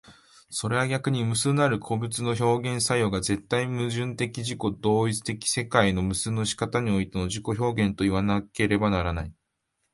それは逆に無数なる個物の表現作用が絶対矛盾的自己同一的世界の無数の仕方においての自己表現といわなければならない。